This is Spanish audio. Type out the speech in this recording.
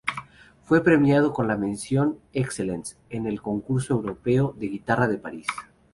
Fue premiado con la mención "Excellence" en el Concurso Europeo de Guitarra de París.